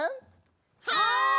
はい！